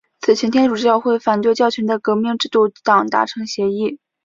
此前天主教会与反教权的革命制度党达成协议。